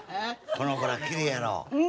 この子らきれいやろ。